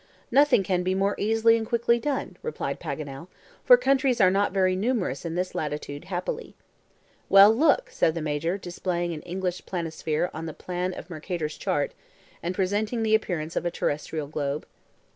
"Nothing can be more easily and quickly done," replied Paganel; "for countries are not very numerous in this latitude, happily." "Well, look," said the Major, displaying an English planisphere on the plan of Mercator's Chart, and presenting the appearance of a terrestrial globe.